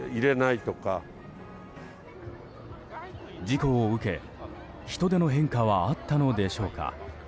事故を受け、人出の変化はあったのでしょうか。